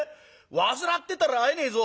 煩ってたら会えねえぞ。